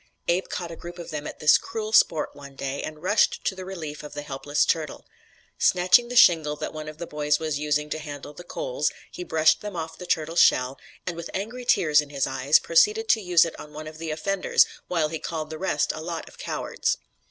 Abe caught a group of them at this cruel sport one day, and rushed to the relief of the helpless turtle. Snatching the shingle that one of the boys was using to handle the coals, he brushed them off the turtle's shell, and with angry tears in his eyes, proceeded to use it on one of the offenders, while he called the rest a lot of cowards.